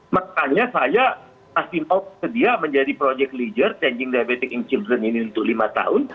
makanya saya masih mau sedia menjadi project leader changing diabetic in childrent ini untuk lima tahun